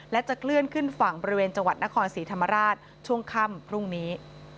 และจะเคลื่อนขึ้นฝั่งบริเวณจังหวัดนครศรีธรรมราชช่วงค่ำพรุ่งนี้